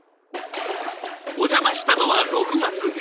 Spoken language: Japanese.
お邪魔したのは６月下旬。